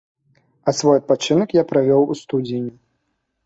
А свой адпачынак я правёў у студзені.